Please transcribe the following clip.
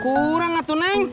kurang atuh neng